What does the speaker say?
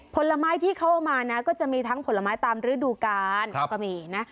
ผลไม้ที่เข้ามานะก็จะมีทั้งผลไม้ตามฤดูกาลก็มีนะ